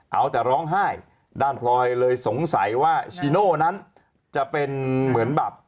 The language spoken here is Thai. เอาแต่ร้องไห้ด้านพลอยเลยสงสัยว่าชีโน่นั้นจะเป็นเหมือนแบบ